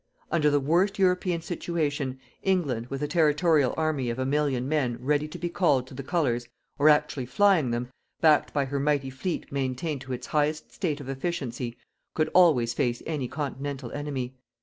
Under the worst European situation, England, with a territorial army of a million of men ready to be called to the Colours, or actually flying them, backed by her mighty fleet maintained to its highest state of efficiency, could always face any continental enemy.